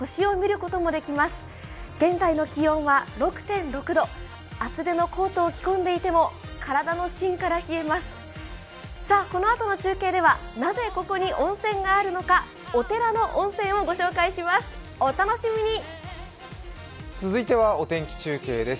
このあとの中継ではなぜここに温泉があるのかお寺の温泉をご紹介します。